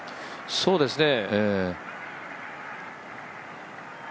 そうですね。